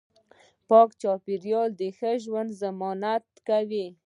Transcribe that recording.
پاک چاپیریال د ښه ژوند ضمانت کوي